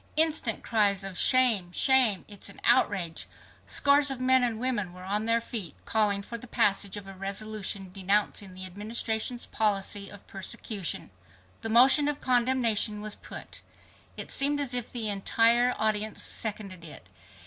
Instant cries of "Shame! Shame! It's an outrage!" Scores of men and two women were on their feet calling for the passage of a resolution denouncing the Administration's policy of persecution. The motion of condemnation was put. It seemed as if the entire audience seconded it.